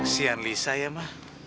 seharian lisa ya ma